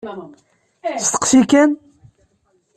Steqsi kan!